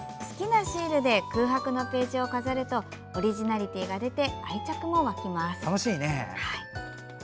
好きなシールで空白のページを飾るとオリジナリティーが出て愛着も湧きます。